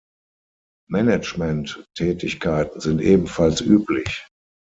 Management-Tätigkeiten sind ebenfalls üblich.